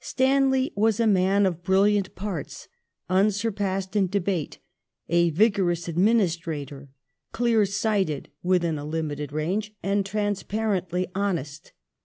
Stanley was a man of brilliant parts : unsurpassed in Stanley's debate, a vigorous administrator, clear sighted within a limited J^^*^^ ^^^" range, and transparently honest.